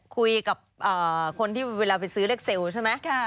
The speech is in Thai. คุยกับคนที่เวลาไปซื้อเลขเซลล์ใช่ไหม